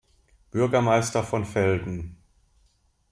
Bürgermeister von Velden.